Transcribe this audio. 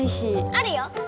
あるよ。